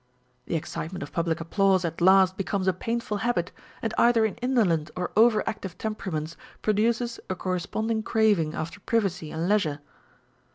The excitement of public applause at last becomes a painful habit, and either in indolent or over active temperaments produces a corre sponding craving after privacy and leisure.